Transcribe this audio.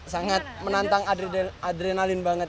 sangat menantang adrenalin banget